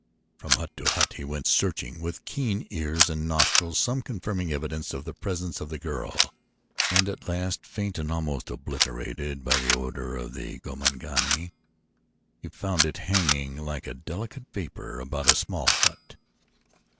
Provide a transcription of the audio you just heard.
From hut to hut he went searching with keen ears and nostrils some confirming evidence of the presence of the girl, and at last, faint and almost obliterated by the odor of the Gomangani, he found it hanging like a delicate vapor about a small hut.